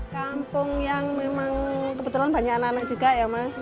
kampung yang memang kebetulan banyak anak anak juga ya mas